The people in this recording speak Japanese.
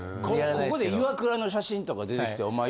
ここでイワクラの写真とか出てきてお前。